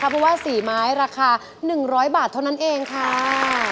เพราะว่า๔ไม้ราคา๑๐๐บาทเท่านั้นเองค่ะ